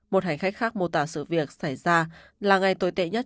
một hành khách khác mô tả sự việc xảy ra là ngày tồi tệ nhất